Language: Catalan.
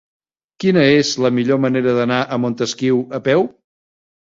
Quina és la millor manera d'anar a Montesquiu a peu?